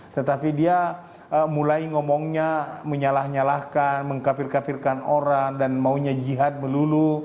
tetapi dia mulai ngomongnya menyalah nyalahkan mengkapir kapirkan orang dan maunya jihad melulu